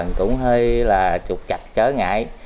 mình cũng hơi là trục chạch chớ ngại